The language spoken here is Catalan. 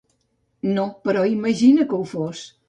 No, però imagina que ho fos.